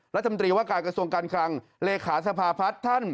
และจำตรีว่ากายอสงกรรค์ครังเลขาสภาพัศนธ์